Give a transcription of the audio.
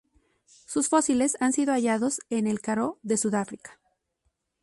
Sus fósiles han sido hallados en el Karoo de Sudáfrica.